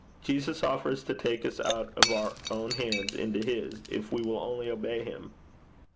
Jesus offers to take us out of our own hands into his, if we will only obey him.'